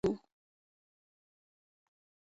له ګڼو وړو سړکونو، د اورګاډي له دوو پټلیو.